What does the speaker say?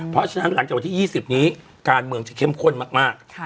เพราะฉะนั้นหลังจากวันที่ยี่สิบนี้การเมืองจะเข้มข้นมากมากค่ะ